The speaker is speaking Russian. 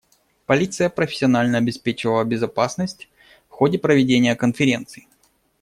Полиция профессионально обеспечивала безопасность в ходе проведения конференции.